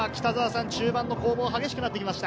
中盤の攻防が激しくなってきました。